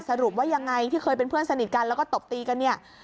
สรุปว่ายังไงที่เคยเป็นเพื่อนสนิทกันแล้วก็ตบตีกันเนี่ย